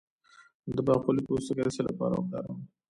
د باقلي پوستکی د څه لپاره وکاروم؟